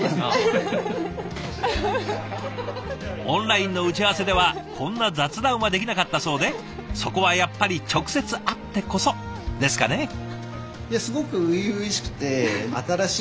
オンラインの打ち合わせではこんな雑談はできなかったそうでそこはやっぱり直接会ってこそですかね。